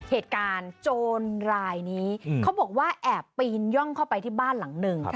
เหตุการณ์โจรรายนี้เขาบอกว่าแอบปีนย่องเข้าไปที่บ้านหลังหนึ่ง